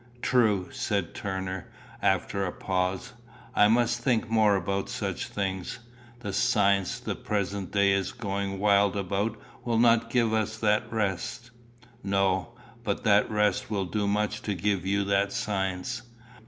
"True," said Turner, after a pause. "I must think more about such things. The science the present day is going wild about will not give us that rest." "No; but that rest will do much to give you that science.